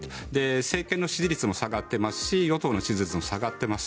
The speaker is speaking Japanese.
政権の支持率も下がっていますし与党の支持率も下がっています。